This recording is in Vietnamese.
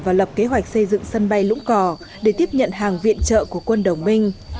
và lập kế hoạch xây dựng sân bay lũng cò để tiếp nhận hàng viện trợ của quân đồng minh